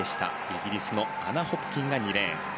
イギリスのアナ・ホプキンが２レーン。